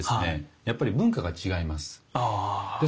やっぱり文化が違います。